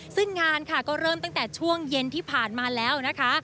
ซึ่งงานค่ะก็เริ่มตั้งแต่ช่วงเย็นที่ผ่านมาแล้วนะคะ